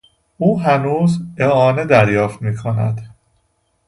او هنوز اعانه دریافت میکند.